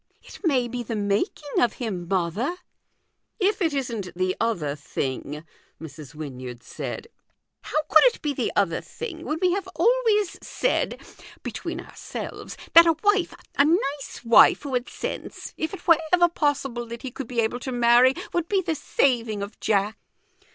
" It may be the making of him, mother 1 "" If it isn't the other thing," Mrs. Wynyard said. " How could it be the other thing ? when we have always said between ourselves that a wife, a nice wife, who had sense , if it were ever 286 THE GOLDEN RULE. possible that lie could be able to marry, would be the saving of Jack